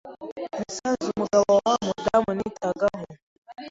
nasanze umugabo wa wa mudamu nitagaho